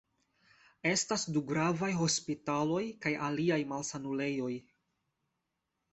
Estas du gravaj hospitaloj kaj aliaj malsanulejoj.